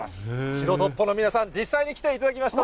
白トッポの皆さん、実際に来ていただきました。